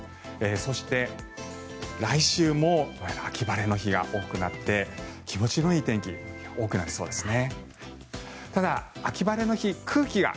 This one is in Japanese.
そして、来週もどうやら秋晴れの日が多くなって気持ちのいい天気が多くなりそうですね。